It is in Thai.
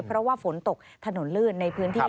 เพราะว่าฝนตกถนนลื่นในพื้นที่